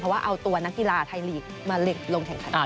ว่าเอาตัวนักกีฬาไทยลีกมาลงแข่งขัน